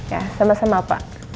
ya sama sama pak